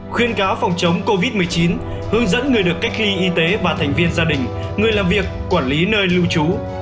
khuyên cáo phòng chống covid một mươi chín hướng dẫn người được cách ly y tế và thành viên gia đình người làm việc quản lý nơi lưu trú